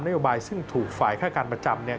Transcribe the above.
โยบายซึ่งถูกฝ่ายค่าการประจำ